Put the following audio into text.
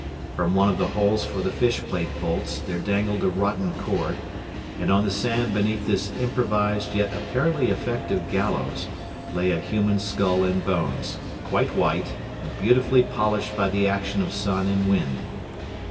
From one of the holes for the fishplate bolts there dangled a rotten cord, and on the sand beneath this improvised yet apparently effective gallows lay a human skull and bones, quite white and beautifully polished by the action of sun and wind.